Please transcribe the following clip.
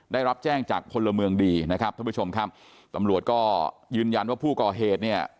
ได้รับแจ้งจากพลเมืองดีนะครับท่านผู้ชมครับตำรวจก็ยืนยันว่าผู้ก่อเหตุเนี่ย